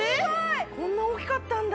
こんな大きかったんだ。